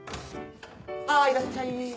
あいらっしゃい。